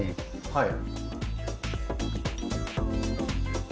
はい。